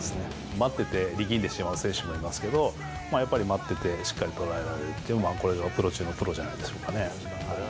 待ってて力んでしまう選手もいますけど、やっぱり待っててしっかり捉えられて、これがプロ中のプロじゃないですかね。